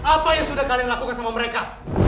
apa yang sudah kalian lakukan sama mereka